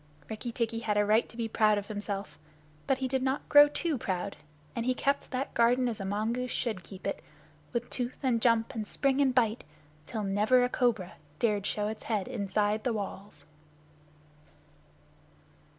Rikki tikki had a right to be proud of himself. But he did not grow too proud, and he kept that garden as a mongoose should keep it, with tooth and jump and spring and bite, till never a cobra dared show its head inside the walls.